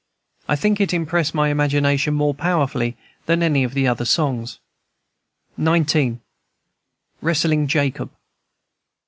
I think it impressed my imagination more powerfully than any other of these songs. XIX. WRESTLING JACOB.